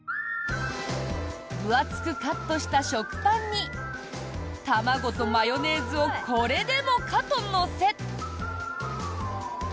分厚くカットした食パンに卵とマヨネーズをこれでもかと乗せ。